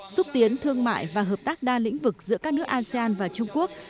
xúc tiến thương mại và hợp tác đa lĩnh vực giữa các nước asean và trung quốc